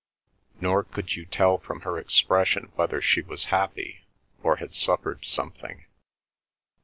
Nor could you tell from her expression whether she was happy, or had suffered something.